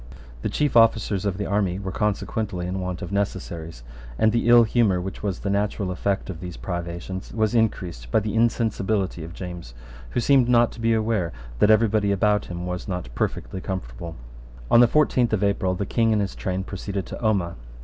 The chief officers of the army were consequently in want of necessaries; and the ill humour which was the natural effect of these privations was increased by the insensibility of James, who seemed not to be aware that every body about him was not perfectly comfortable, On the fourteenth of April the King and his train proceeded to Omagh.